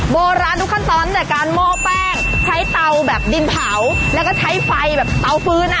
โบราณทุกขั้นตอนตั้งแต่การหม้อแป้งใช้เตาแบบดินเผาแล้วก็ใช้ไฟแบบเตาฟื้นอ่ะ